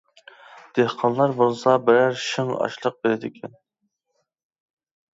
دېھقانلار بولسا، بىرەر شىڭ ئاشلىق بېرىدىكەن.